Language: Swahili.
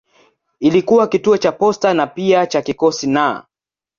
Ilikuwa kituo cha posta na pia cha kikosi na.